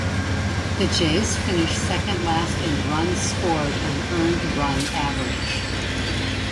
The Jays finished second last in runs scored and earned run average.